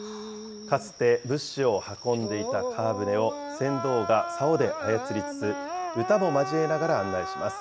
かつて物資を運んでいた川舟を船頭がさおで操りつつ、歌も交えながら案内します。